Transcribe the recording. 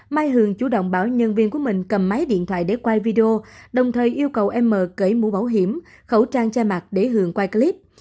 mai hường chủ động bảo nhân viên của mình cầm máy điện thoại để quay video đồng thời yêu cầu m cấy mũ bảo hiểm khẩu trang che mặt để hường quay clip